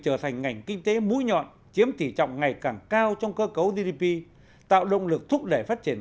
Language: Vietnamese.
trở thành ngành kinh tế mũi nhọn chiếm tỷ trọng ngày càng cao trong cơ cấu gdp tạo động lực thúc đẩy phát triển